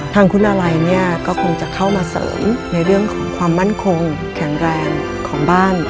ทางคุณอะไรเนี่ยก็คงจะเข้ามาเสริมในเรื่องของความมั่นคงแข็งแรงของบ้าน